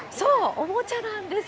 おもちゃなんですよ。